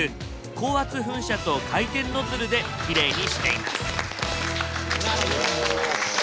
高圧噴射と回転ノズルできれいにしています。